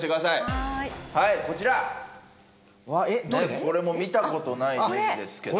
これも見た事ないネジですけど。